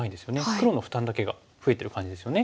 黒の負担だけが増えてる感じですよね。